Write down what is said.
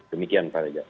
demikian pak reza